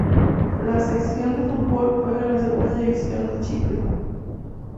La sección de fútbol juega en la Segunda División de Chipre.